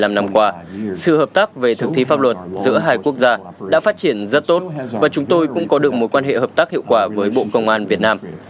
bảy mươi năm năm qua sự hợp tác về thực thi pháp luật giữa hai quốc gia đã phát triển rất tốt và chúng tôi cũng có được mối quan hệ hợp tác hiệu quả với bộ công an việt nam